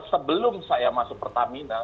sebelum saya masuk pertamina